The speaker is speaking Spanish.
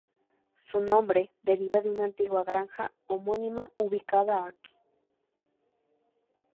Su nombre deriva de una antigua granja homónima ubicada aquí.